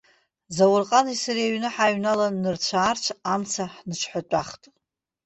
Заурҟани сареи аҩны ҳааҩналан, нырцә-аарцә амца ҳныҽҳәатәахт.